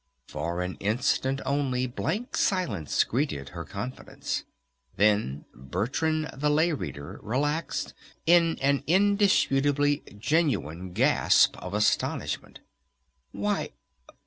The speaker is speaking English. For an instant only, blank silence greeted her confidence. Then "Bertrand the Lay Reader" relaxed in an indisputably genuine gasp of astonishment. "Why!